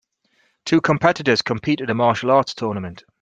Two competitors compete at a martial arts tournament.